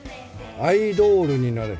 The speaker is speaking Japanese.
アイドールになれ。